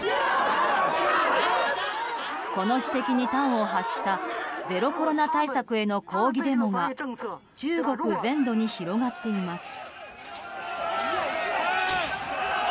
この指摘に端を発したゼロコロナ対策への抗議デモが中国全土に広がっています。